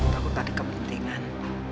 takut ada kepentingan